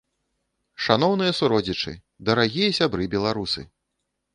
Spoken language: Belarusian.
Шаноўныя суродзічы, дарагія сябры беларусы!